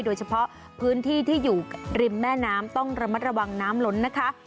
โดยเฉพาะพื้นที่ที่อยู่ริมแม่น้ำต้องระมัดระวังน้ำล้นนะคะ